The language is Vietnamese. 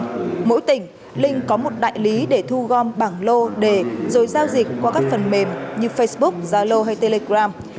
trên mỗi tỉnh linh có một đại lý để thu gom bảng lô để rồi giao dịch qua các phần mềm như facebook zalo hay telegram